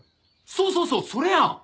そうそうそうそれや！